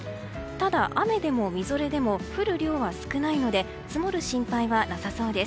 ただ、雨でもみぞれでも降る量は少ないので積もる心配はなさそうです。